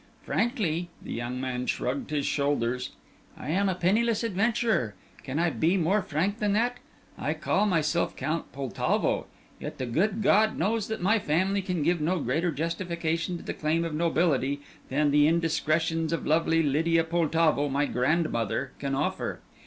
Frankly," the young man shrugged his shoulders, "I am a penniless adventurer can I be more frank than that? I call myself Count Poltavo yet the good God knows that my family can give no greater justification to the claim of nobility than the indiscretions of lovely Lydia Poltavo, my grandmother, can offer.